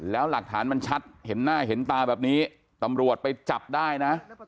แล้วหลักฐานมันชัดเห็นหน้าเห็นตาแบบนี้ตำรวจไปจับได้นะ